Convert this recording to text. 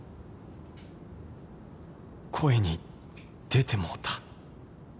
声に出てもうた